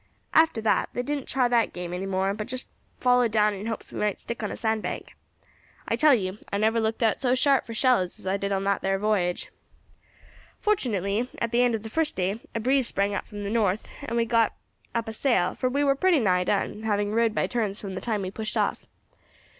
After that they didn't try that game any more, but just followed down in hopes we might stick on a sandbank. I tell you I never looked out so sharp for shallows as I did on that there voyage. "Fortunately, at the end of the first day a breeze sprang up from the north, and we got up a sail, for we war pretty nigh done, having rowed by turns from the time we pushed off.